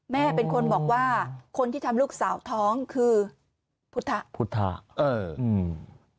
แม่เป็นคนบอกว่าคนที่ทำลูกสาวท้องคือพุทธพุทธเอออืม